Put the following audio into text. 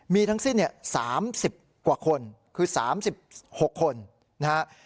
มีทั้งสิ้นเนี่ย๓๐กว่าคนคือ๓๖คนนะฮะ